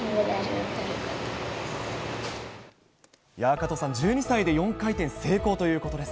加藤さん、１２歳で４回転成功ということです。